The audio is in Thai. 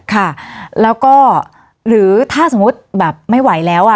ค่ะแล้วก็หรือถ้าสมมุติแบบไม่ไหวแล้วอ่ะ